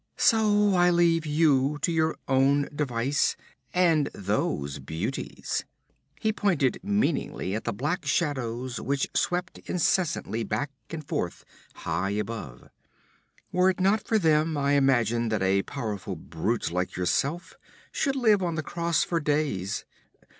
'So I leave you to your own devices and those beauties!' He pointed meaningly at the black shadows which swept incessantly back and forth, high above. 'Were it not for them, I imagine that a powerful brute like yourself should live on the cross for days.